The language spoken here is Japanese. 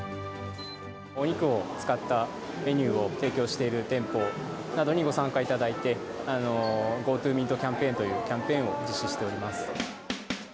お肉を使ったメニューを提供している店舗などにご参加いただいて、ＧＯＴＯＭＥＡＴキャンペーンというキャンペーンを実施しております。